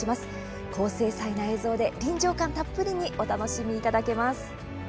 高精細な映像で臨場感たっぷりにお楽しみいただけます。